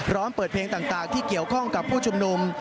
ร้องเปิดเพลงต่างที่เกี่ยวข้องกับผู้ชุมนุม